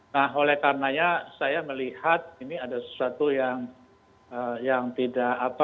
nah oleh karenanya saya melihat ini ada sesuatu yang tidak apa